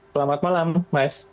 selamat malam maes